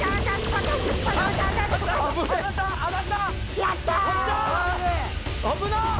やったー！